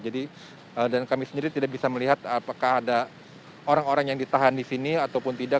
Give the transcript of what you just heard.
jadi dan kami sendiri tidak bisa melihat apakah ada orang orang yang ditahan di sini ataupun tidak